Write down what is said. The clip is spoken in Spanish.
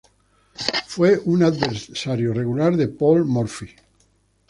Fue un adversario regular de Paul Morphy.